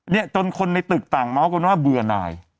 เนี่ยจนคนในตึกต่างเมาส์กันว่าเบื่อนาย